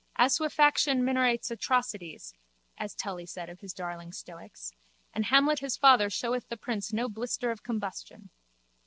Assuefaction minorates atrocities (as Tully saith of his darling Stoics) and Hamlet his father showeth the prince no blister of combustion.